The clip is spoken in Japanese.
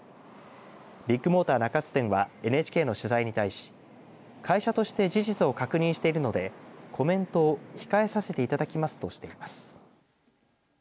ビッグモーター中津店はＮＨＫの取材に対し会社として事実を確認しているのでコメントを控えさせていただきますとしています。